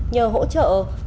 nhờ hỗ trợ